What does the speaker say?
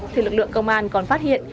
thì lực lượng công an còn phát hiện